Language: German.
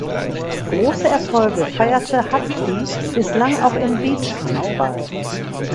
Große Erfolge feierte Hadfi bislang auch im Beachhandball.